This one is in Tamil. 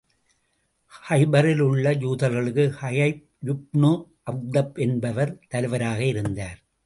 கைபரில் உள்ள யூதர்களுக்கு ஹுயையுப்னு அக்தப் என்பவர் தலைவராக இருந்தார்.